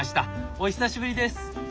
お久しぶりです。